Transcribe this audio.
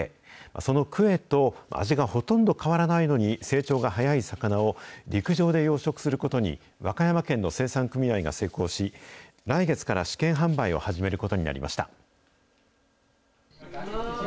そのクエと味がほとんど変わらないのに、成長が早い魚を陸上で養殖することに、和歌山県の生産組合が成功し、来月から試験販売を始めることになりました。